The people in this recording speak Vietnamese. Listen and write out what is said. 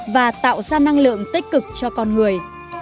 và tạo ra năng lượng tích cực cho con người